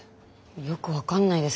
よく分かんないですけど